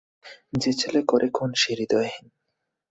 যে ছেলে করে খুন, সে হৃদয়হীন।